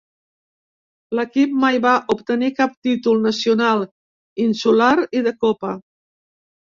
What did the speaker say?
L'equip mai va obtenir cap títol nacional, insular i de copa.